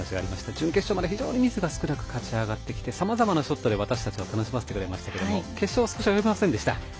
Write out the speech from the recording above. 準決勝まで非常にミスが少なく勝ち上がってきてさまざまなショットで私たちを楽しませてくれましたけれども決勝、少しおよびませんでした。